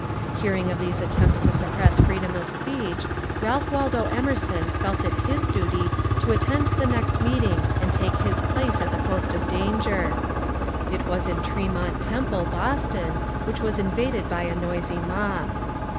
Hearing of these attempts to suppress freedom of speech, Ralph Waldo Emerson felt it his duty to attend the next meeting and take his place at the post of danger. It was in Tremont Temple, Boston, which was invaded by a noisy mob.